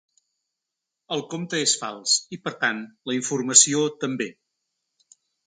El compte és fals i, per tant, la informació també.